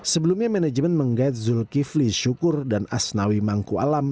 sebelumnya manajemen menggait zulkifli syukur dan asnawi mangku alam